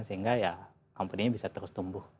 sehingga ya company nya bisa terus tumbuh